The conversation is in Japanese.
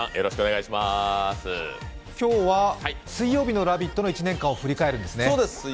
今日は水曜日の「ラヴィット！」の１年間を振り返るんですね。